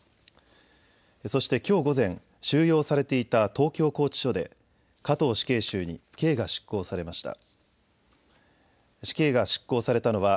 そしてきょう午前、収容されていた東京拘置所で加藤死刑囚に刑が執行されました。